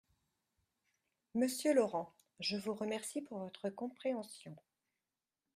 Monsieur Laurent, je vous remercie pour votre compréhension.